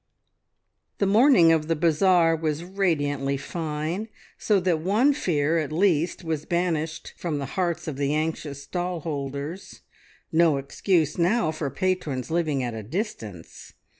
The morning of the bazaar was radiantly fine, so that one fear at least was banished from the hearts of the anxious stall holders. No excuse now for patrons living at a distance!